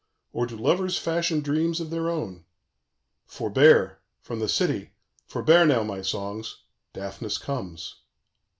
or do lovers fashion dreams of their own? "_Forbear: from the city forbear now, my songs Daphnis comes.